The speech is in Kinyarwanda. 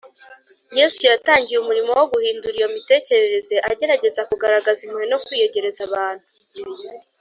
Yesu yatangiye umurimo wo guhindura iyo mitekerereze agerageza kugaragaza impuhwe no kwiyegereza abantu